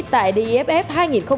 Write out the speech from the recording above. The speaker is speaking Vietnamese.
tại dff hai nghìn một mươi tám